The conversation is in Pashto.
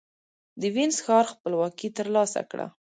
د وينز ښار خپلواکي ترلاسه کړه.